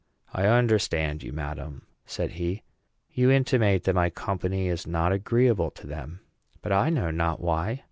"I understand you, madam," said he. "You intimate that my company is not agreeable to them; but I know not why.